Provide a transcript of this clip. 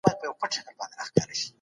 بې وزله خلګ د ټولني یو مهم قشر دی.